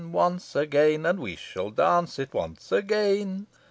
Once again, And we shall go dance it once again!"